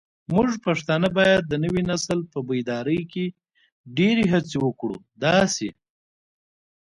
موږ پښتانه بايد د نوي نسل په بيداري کې ډيرې هڅې وکړو داسې